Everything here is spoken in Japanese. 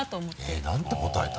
えっ何て答えた？